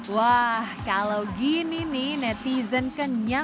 wah kalau gini nih netizen kenyang makan konten konten ini yaa